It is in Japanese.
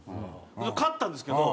買ったんですけど。